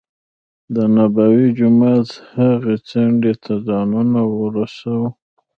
دنبوي جومات هغې څنډې ته ځانونه ورسو.